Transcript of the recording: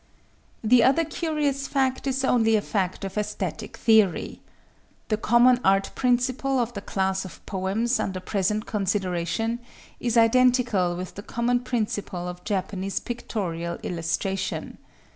The other curious fact is only a fact of aesthetic theory. The common art principle of the class of poems under present consideration is identical with the common principle of Japanese pictorial illustration.